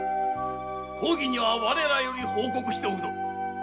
公儀には我らより報告しておくぞ。